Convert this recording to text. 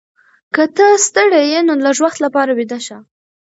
که ته ستړې یې نو لږ وخت لپاره ویده شه.